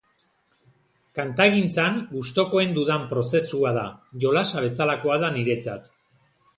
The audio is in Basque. Kantagintzan gustukoen dudan prozesua da, jolasa bezalakoa da niretzat.